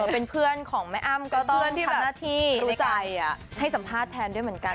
เป็นเพื่อนของแม่อ้ำก็ต้องทำหน้าที่ให้สัมภาษณ์แทนด้วยเหมือนกัน